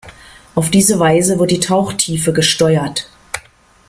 Auf diese Weise wird die Tauchtiefe gesteuert.